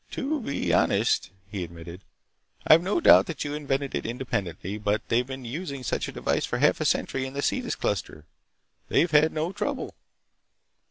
"To be honest," he admitted, "I've no doubt that you invented it independently, but they've been using such a device for half a century in the Cetis cluster. They've had no trouble."